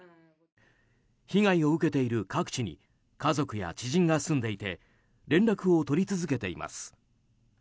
被害を受けている各地に家族や知人が住んでいて連絡を取り続けています。